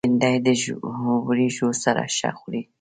بېنډۍ د وریژو سره ښه خوري